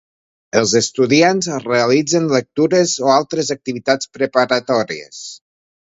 Els estudiants realitzen lectures o altres activitats preparatòries.